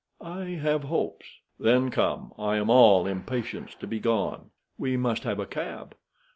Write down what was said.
"I have hopes." "Then come. I am all impatience to be gone." "We must have a cab."